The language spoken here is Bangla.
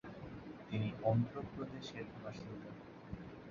তিনি অন্ধ্রপ্রদেশের বাসিন্দা।